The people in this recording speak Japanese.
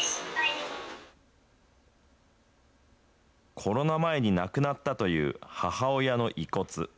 コロナ前に亡くなったという母親の遺骨。